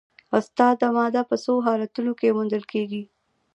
استاده ماده په څو حالتونو کې موندل کیږي